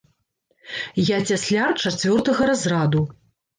Я цясляр чацвёртага разраду.